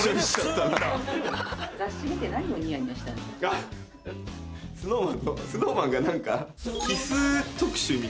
「あっＳｎｏｗＭａｎが何か」